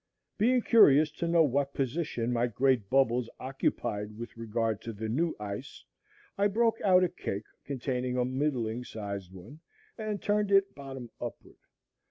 Being curious to know what position my great bubbles occupied with regard to the new ice, I broke out a cake containing a middling sized one, and turned it bottom upward.